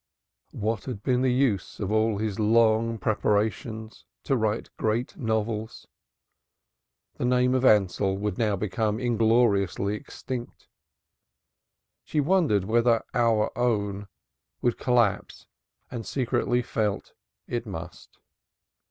What had been the use of all his long prepay rations to write great novels? The name of Ansell would now become ingloriously extinct. She wondered whether Our Own would collapse and secretly felt it must.